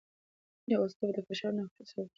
یوازیتوب د فشار او ناخوښۍ سبب دی.